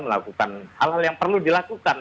melakukan hal hal yang perlu dilakukan